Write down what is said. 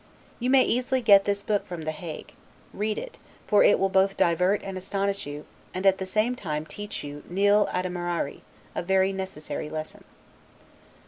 You may easily get this book from The Hague: read it, for it will both divert and astonish you, and at the same time teach you 'nil admirari'; a very necessary lesson.